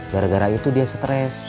gara gara itu dia stres